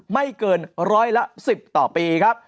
ไม่เกินร้อยละ๑๐ต่อปีครับ